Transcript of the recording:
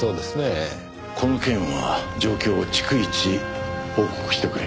この件は状況を逐一報告してくれ。